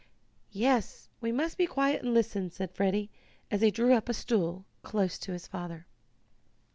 "Yes, we must be quiet and listen," said Freddie, as he drew up a stool close to his father.